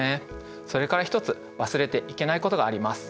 それから一つ忘れていけないことがあります。